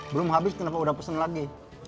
belum habis kenapa udah pesen lagi